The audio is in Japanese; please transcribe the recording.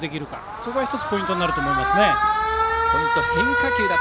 そこが１つポイントになると思います。